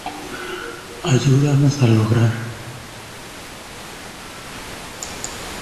Como acompañante grabó con Ma Rainey y Blind Blake, entre otros.